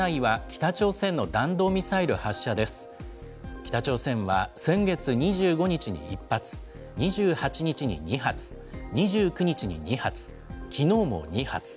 北朝鮮は先月２５日に１発、２８日に２発、２９日に２発、きのうも２発。